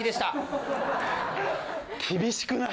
厳しくない？